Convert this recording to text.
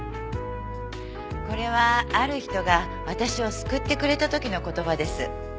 これはある人が私を救ってくれた時の言葉です。